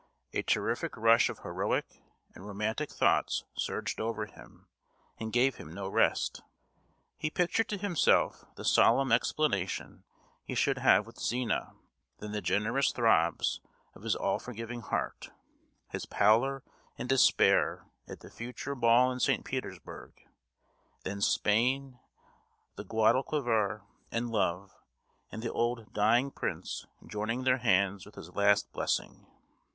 A terrific rush of heroic and romantic thoughts surged over him, and gave him no rest. He pictured to himself the solemn explanation he should have with Zina, then the generous throbs of his all forgiving heart; his pallor and despair at the future ball in St. Petersburg; then Spain, the Guadalquiver, and love, and the old dying prince joining their hands with his last blessing.